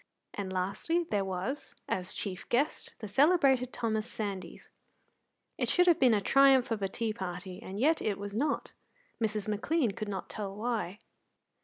And, lastly, there was, as chief guest, the celebrated Thomas Sandys. It should have been a triumph of a tea party, and yet it was not. Mrs. McLean could not tell why.